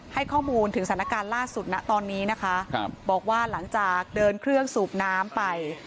ให้ข้อมูลถึงสถานการณ์ล่าสุดนะตอนนี้นะคะครับบอกว่าหลังจากเดินเครื่องสูบน้ำไป